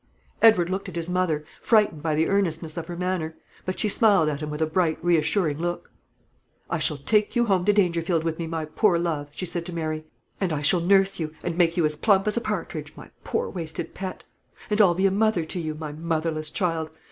Edward looked at his mother, frightened by the earnestness of her manner; but she smiled at him with a bright, reassuring look. "I shall take you home to Dangerfield with me, my poor love," she said to Mary; "and I shall nurse you, and make you as plump as a partridge, my poor wasted pet. And I'll be a mother to you, my motherless child.